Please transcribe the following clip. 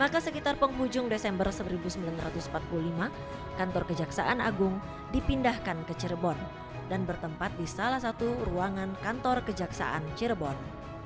maka sekitar penghujung desember seribu sembilan ratus empat puluh lima kantor kejaksaan agung dipindahkan ke cirebon dan bertempat di salah satu ruangan kantor kejaksaan cirebon